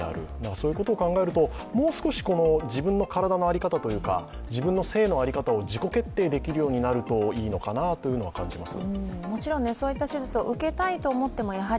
そういうことを考えると、もう少し自分の体の在り方というか自分の性の在り方を自己決定できるようになるといいと感じます。